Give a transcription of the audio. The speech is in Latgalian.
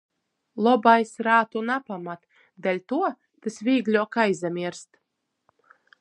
Lobais rātu napamat, deļtuo tys vīgļuok aizamierst.